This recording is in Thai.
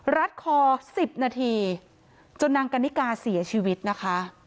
รัดคอ๑๐นาทีจนนางกันนิกาเสียชีวิตนะคะ